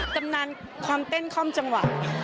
กำหนารความเต้นค่อมจังหวัด